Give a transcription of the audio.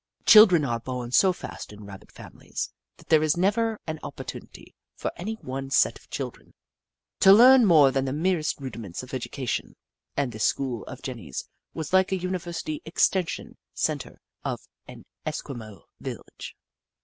Children are born so fast in Rabbit families that there is never an opportunity for any one set of children to learn more than the merest rudiments of education, and this school of Jenny's was like a University Extension Centre in an Esquimaux village.